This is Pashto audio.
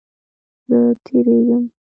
زه تیریږم